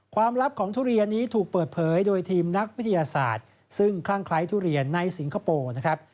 ลับของทุเรียนนี้ถูกเปิดเผยโดยทีมนักวิทยาศาสตร์ซึ่งคลั่งคล้ายทุเรียนในสิงคโปร์นะครับ